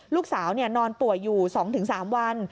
ลูกสาวนอนป่วยอยู่๒๓วัน